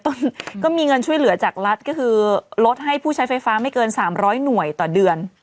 ก็มีเงินช่วยเหลือจากรัฐก็คือลดให้ผู้ใช้ไฟฟ้าไม่เกิน๓๐๐หน่วยต่อเดือน